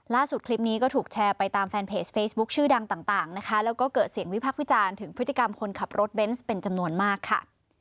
คลิปนี้ก็ถูกแชร์ไปตามแฟนเพจเฟซบุ๊คชื่อดังต่างนะคะแล้วก็เกิดเสียงวิพักษ์วิจารณ์ถึงพฤติกรรมคนขับรถเบนส์เป็นจำนวนมากค่ะ